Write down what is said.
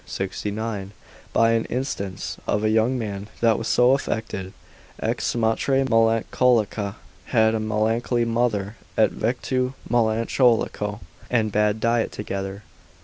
69, by an instance of a young man that was so affected ex matre melancholica, had a melancholy mother, et victu melancholico, and bad diet together.